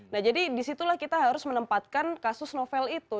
nah jadi disitulah kita harus menempatkan kasus novel itu